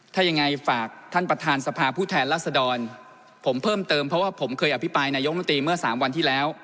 ถ้ายังไงฝากท่านประธานสภาผู้แทนรัศดรผมเพิ่มเติมเพราะว่าผมเคยอภิปรายนายกมนตรีเมื่อ๓วันที่แล้ว